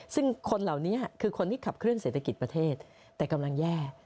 ซึ่งคนเหล่านี้คือคนที่ขับเคลื่อเศรษฐกิจประเทศแต่กำลังแย่